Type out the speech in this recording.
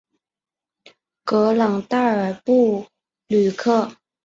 格朗代尔布吕克。